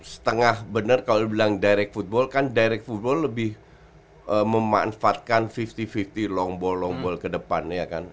setengah bener kalo bilang direct football kan direct football lebih memanfaatkan lima puluh lima puluh long ball long ball ke depan ya kan